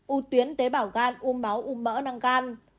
u tuyến tế bảo gan u máu u mỡ năng gan